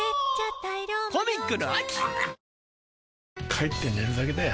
帰って寝るだけだよ